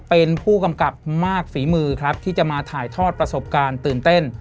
เป็นผู้กำกับมากฝีมือครับที่จะมาถ่ายทอดประสบการณ์ตื่นเต้น